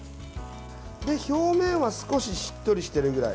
表面は少ししっとりしているぐらい。